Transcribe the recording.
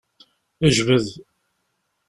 Jbed!